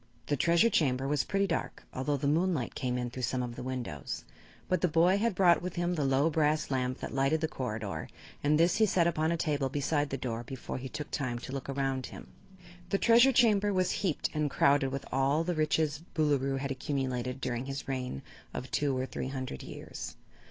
The Treasure Chamber was pretty dark, although the moonlight came in through some of the windows, but the boy had brought with him the low brass lamp that lighted the corrider and this he set upon a table beside the door before he took time to look around him. The Treasure Chamber was heaped and crowded with all the riches the Boolooroo had accumulated during his reign of two or three hundred years.